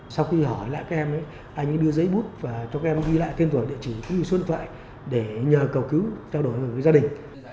sau khi hỏi lại các em ấy anh ấy đưa giấy bút và cho các em ghi lại thêm tuổi địa chỉ như xuân thoại để nhờ cầu cứu trao đổi với gia đình